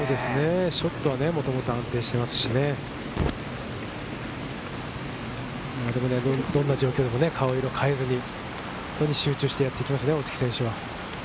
ショットはもともと安定していますし、どんな状況でも顔色を変えずに集中してやってきますね、大槻選手は。